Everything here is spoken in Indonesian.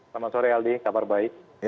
selamat sore aldi kabar baik